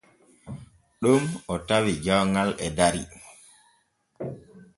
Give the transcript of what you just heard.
Ɗon o tawi jawŋal e dari.